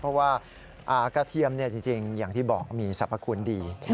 เพราะว่ากระเทียมจริงอย่างที่บอกมีสรรพคุณดี